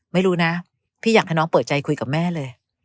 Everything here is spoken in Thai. ไม่รู้นะพี่อยากให้น้องเปิดใจคุยกับแม่เลย